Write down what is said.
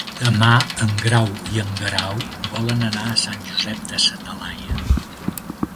Demà en Grau i en Guerau volen anar a Sant Josep de sa Talaia.